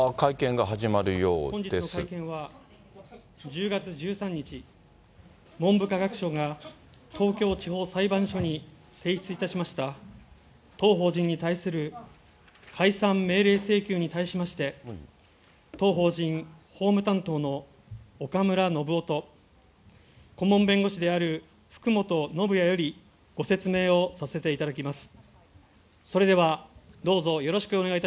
本日の会見は１０月１３日、文部科学省が東京地方裁判所に提出いたしました、当法人に対する解散命令請求に対しまして、当法人法務担当のおかむらのぶおと、顧問弁護士である福本修也よりご説明をさせていただきます。